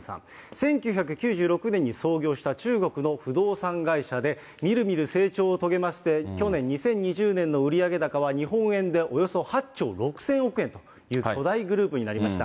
１９９６年に創業した中国の不動産会社で、みるみる成長を遂げまして、去年・２０２０年の売上高は、日本円でおよそ８兆６０００億円という、巨大グループになりました。